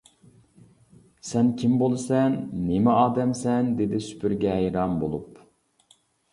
-سەن كىم بولىسەن، نېمە ئادەمسەن؟ دېدى سۈپۈرگە ھەيران بولۇپ.